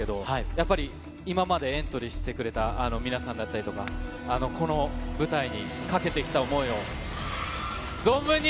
やっぱり今までエントリーしてくれた皆さんだったりとか、この舞台にかけてきた思いを、存分に。